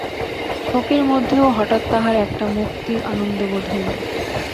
শোকের মধ্যেও হঠাৎ তাহার একটা মুক্তির আনন্দ বোধ হইল।